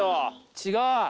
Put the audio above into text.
違う？